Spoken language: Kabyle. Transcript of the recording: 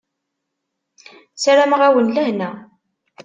Sarameɣ-awen lehna.